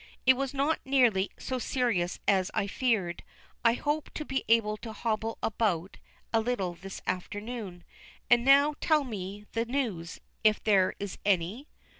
"It was not nearly so serious as I feared. I hope to be able to hobble about a little this afternoon. And now tell me the news, if there is any."